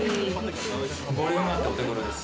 ボリュームあってお手ごろです。